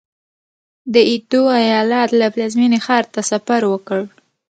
د ایدو ایالت له پلازمېنې ښار ته سفر وکړ.